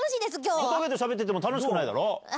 小峠としゃべってても楽しくないだろ？